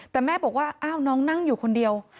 แต่แม่บอกว่าอ้าวน้องนั่งอยู่คนเดียว